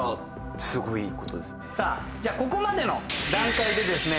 さあじゃあここまでの段階でですね